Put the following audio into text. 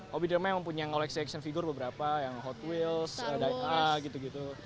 hobi drama yang mempunyai collection action figure beberapa yang hot wheels diecast gitu gitu